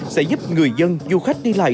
sẽ giúp người dân du khách đi lại